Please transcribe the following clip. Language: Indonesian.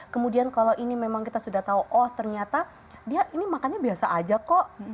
kemudian kalau ini memang kita sudah tahu oh ternyata dia ini makannya biasa aja kok